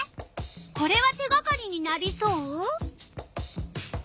これは手がかりになりそう？